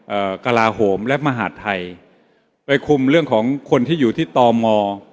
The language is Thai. กระลาโหมและมหาดไทยไปคุมเรื่องของคนที่อยู่ที่ตม